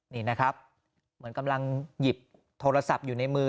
นี่นะครับเหมือนกำลังหยิบโทรศัพท์อยู่ในมือ